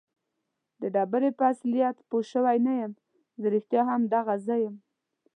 د ډبرې په اصلیت پوه شوی نه یم. زه رښتیا هم دغه زه یم؟